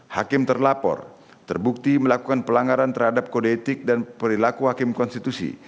hakim terlapor terbukti melakukan pelanggaran terhadap kode etik dan perilaku hakim konstitusi